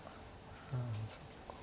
うんそっか。